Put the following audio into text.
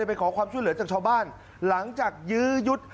ไปขอความช่วยเหลือจากชาวบ้านหลังจากยื้อยุด